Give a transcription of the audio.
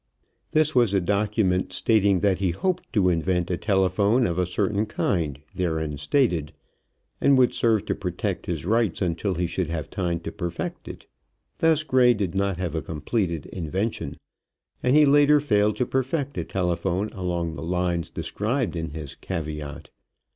This was a document, stating that he hoped to invent a telephone of a certain kind therein stated, and would serve to protect his rights until he should have time to perfect it. Thus Gray did not have a completed invention, and he later failed to perfect a telephone along the lines described in his caveat.